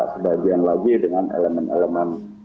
sebagian lagi dengan elemen elemen